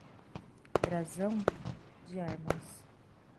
Brasão? de armas.